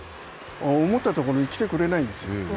思ったところに来てくれないんですよ。